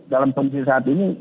dalam kondisi saat ini